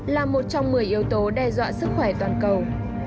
là một trong một mươi yếu tố đe dọa sức khỏe toàn cầu